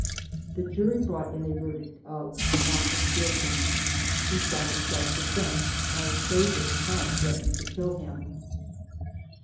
The jury brought in a verdict of "Not 200 DAYS ON THE ROAD. guilty." He shot in self defense, as Frasier had threatened to kill him.